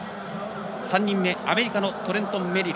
３人目、アメリカのトレントン・メリル。